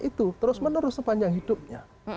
itu terus menerus sepanjang hidupnya